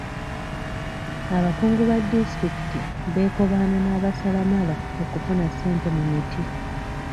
Abakungu ba disitulikiti beekobaana n'abasalamala okufuna ssente mu miti.